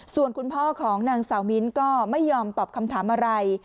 ส่วนคุณพ่อของนางสาวมิ้นก็ไม่ยอมตอบคำถามอะไร